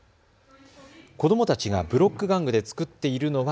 子どもたちがブロック玩具で作っているのは。